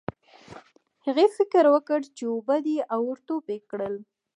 هغې فکر وکړ چې اوبه دي او ور ټوپ یې کړل.